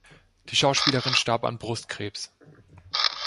Die Schauspielerin starb an Brustkrebs.